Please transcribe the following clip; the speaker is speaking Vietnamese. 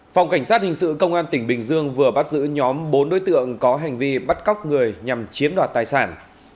phòng cảnh sát hình sự công an tỉnh bình dương vừa bắt giữ nhóm bốn đối tượng có hành vi bắt cóc người nhằm chiếm đoạt tài sản